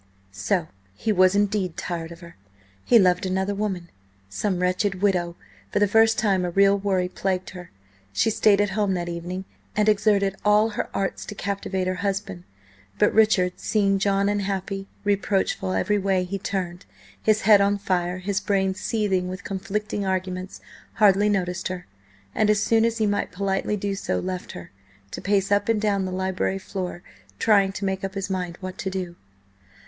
So he was indeed tired of her! He loved another woman!–some wretched widow! For the first time a real worry plagued her. She stayed at home that evening and exerted all her arts to captivate her husband. But Richard, seeing John unhappy, reproachful, every way he turned, his head on fire, his brain seething with conflicting arguments, hardly noticed her, and as soon as he might politely do so, left her, to pace up and down the library floor, trying to make up his mind what to do.